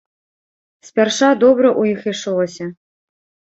Спярша добра ў іх ішлося.